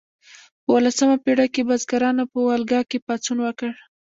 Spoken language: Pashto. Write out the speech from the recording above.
په اوولسمه پیړۍ کې بزګرانو په والګا کې پاڅون وکړ.